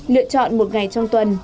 lựa chọn một ngày trong tuần